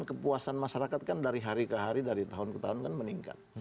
kepuasan masyarakat kan dari hari ke hari dari tahun ke tahun kan meningkat